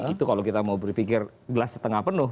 itu kalau kita mau berpikir belas setengah penuh